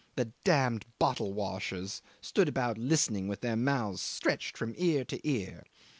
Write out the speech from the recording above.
The damned bottle washers stood about listening with their mouths stretched from ear to ear.